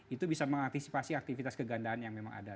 itu bisa mengantisipasi aktivitas kegandaan yang memang ada